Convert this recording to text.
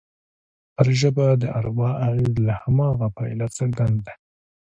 پر ژبه د اروا اغېز له هماغه پیله څرګند دی